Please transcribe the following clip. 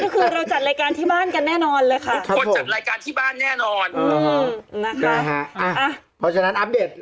คนจัดรายการที่บ้านแน่นอนอืมนะครับอ่ะเพราะฉะนั้นอัพเดท